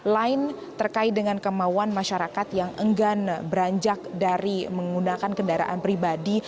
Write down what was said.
lain terkait dengan kemauan masyarakat yang enggan beranjak dari menggunakan kendaraan pribadi